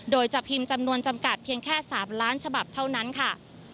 โดยจะพิมพ์จำนวนจำกัดเพียงแค่๓ล้านฉบับเท่านั้นค่ะ